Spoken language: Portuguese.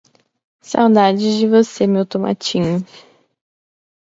Saudades de você, meu tomatinho